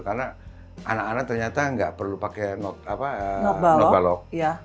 karena anak anak ternyata nggak perlu pakai not balok